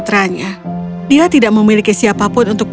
tidak tidak mau